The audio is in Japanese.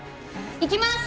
いきます！